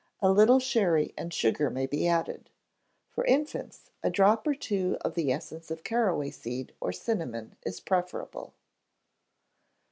A little sherry and sugar may be added. For infants, a drop or two of the essence of caraway seed or cinnamon is preferable.